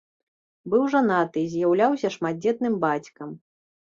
Быў жанаты і з'яўляўся шматдзетным бацькам.